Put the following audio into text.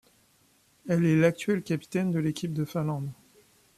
Elle est l'actuelle capitaine de l'équipe de Finlande.